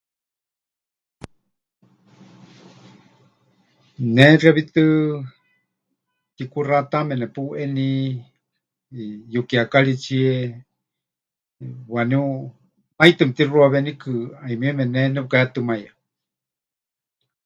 Ne xewítɨ tikuxatame nepuʼeni yukiekaritsie waníu naitɨ mɨtixuawenikɨ, 'ayumieme ne nepɨkahetɨmaiyawe.